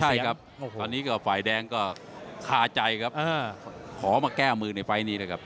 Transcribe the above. ใช่ครับตอนนี้ก็ฝ่ายแดงก็คาใจครับขอมาแก้มือในไฟล์นี้นะครับ